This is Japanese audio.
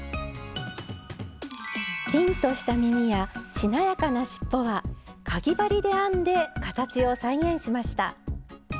ピンとした耳やしなやかなしっぽはかぎ針で編んで形を再現しました。